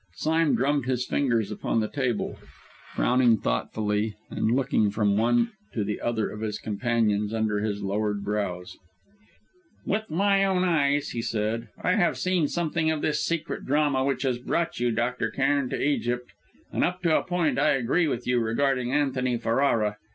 Sime drummed his fingers upon the table, frowning thoughtfully, and looking from one to the other of his companions under his lowered brows. "With my own eyes," he said, "I have seen something of this secret drama which has brought you, Dr. Cairn, to Egypt; and, up to a point, I agree with you regarding Antony Ferrara.